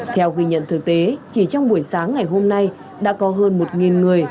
theo ghi nhận thực tế chỉ trong buổi sáng ngày hôm nay đã có hơn một người